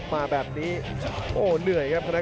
ขวางแขงขวาเจอเททิ้ง